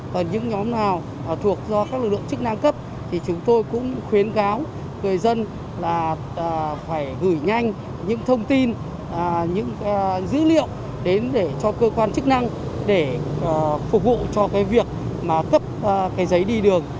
còn những nhóm nào thuộc do các lực lượng chức năng cấp thì chúng tôi cũng khuyến cáo người dân là phải gửi nhanh những thông tin những dữ liệu đến để cho cơ quan chức năng để phục vụ cho cái việc mà cấp cái giấy đi đường